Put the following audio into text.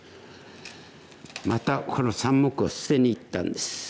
またこの３目を捨てにいったんです。